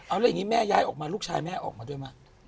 เอาแล้วอย่างนี้แม่ย้ายออกมาลูกชายแม่ออกมาด้วยไหม